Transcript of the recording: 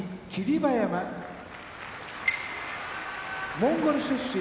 馬山モンゴル出身